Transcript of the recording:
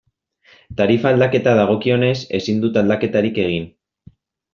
Tarifa aldaketa dagokionez, ezin dut aldaketarik egin.